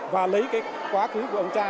và lấy cái quá khứ của ông cha